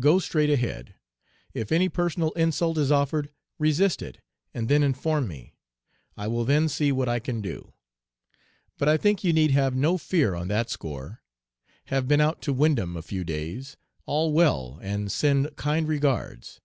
Go straight ahead. If any personal insult is offered, resist it, and then inform me; I will then see what I can do. But I think you need have no fear on that score. Have been out to Windham a few days. All well, and send kind regards.